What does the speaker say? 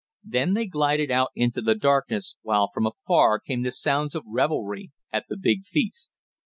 Then they glided out into the darkness, while from afar came the sounds of revelry at the big feast.